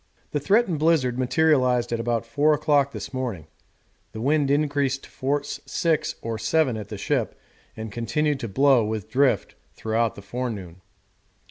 The threatened blizzard materialised at about four o'clock this morning. The wind increased to force six or seven at the ship, and continued to blow, with drift, throughout the forenoon.